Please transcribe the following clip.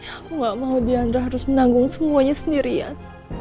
aku nggak mau dianera harus menanggung semuanya sendirian